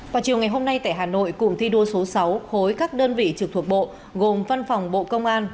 vào chiều ngày hôm nay tại hà nội cùng thi đua số sáu khối các đơn vị trực thuộc bộ gồm văn phòng bộ công an